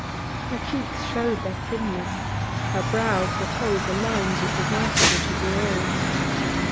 Her cheeks showed their thinness, her brow foretold the lines which would mark it when she grew old.